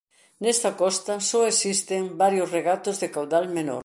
Nesta costa só existen varios regatos de caudal menor.